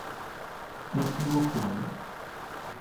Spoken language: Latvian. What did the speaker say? Es jokoju.